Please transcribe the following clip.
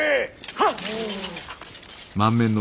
はっ！